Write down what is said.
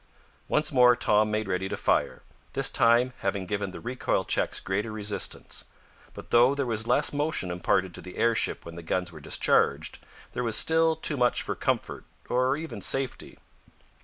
Once more Tom made ready to fire, this time having given the recoil checks greater resistance. But though there was less motion imparted to the airship when the guns were discharged, there was still too much for comfort, or even safety.